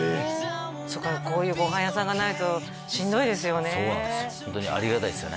そっかこういうご飯屋さんがないとしんどいですよねそうなんですよ